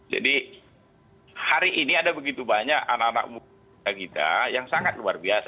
jadi hari ini ada begitu banyak anak anak muda kita yang sangat luar biasa